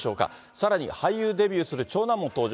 さらに俳優デビューする長男も登場。